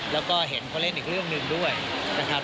แล้วก็เห็นเขาเล่นอีกเรื่องหนึ่งด้วยนะครับ